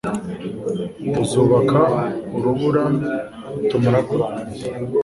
tuzubaka urubura nitumara kurangiza